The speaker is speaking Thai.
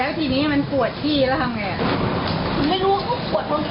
แล้วทีนี้มันกวดที่แล้วทำไง